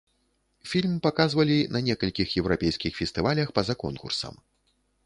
Фільм паказвалі на некалькіх еўрапейскіх фестывалях па-за конкурсам.